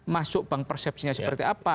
masuk bank persepsinya seperti apa